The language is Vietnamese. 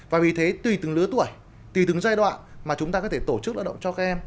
và vì thế tùy từng lứa tuổi tùy từng giai đoạn mà chúng ta có thể tổ chức lao động cho các em